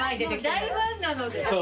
大ファンなので。